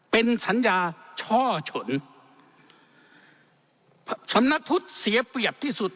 เป็นสัญญาช่อฉนสำนักพุทธเสียเปรียบที่สุด